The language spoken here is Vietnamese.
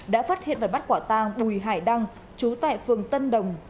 đã phát hiện và bắt quả tang bùi hải đăng chú tại phường tân đồng